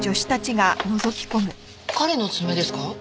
彼の爪ですか？